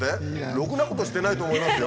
ろくなことしてないと思いますよ。